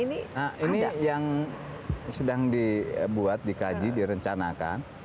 nah ini yang sedang dibuat dikaji direncanakan